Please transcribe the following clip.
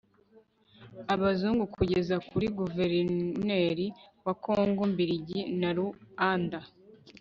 abazungu kugeza kuri guverineri wa kongo mbiligi na ruanda